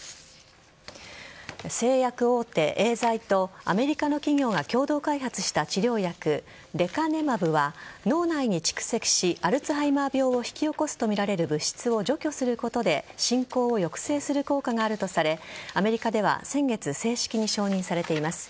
製薬大手エーザイとアメリカの企業が共同開発した治療薬・レカネマブは脳内に蓄積しアルツハイマー病を引き起こすとみられる物質を除去することで進行を抑制する効果があるとされアメリカでは先月正式に承認されています。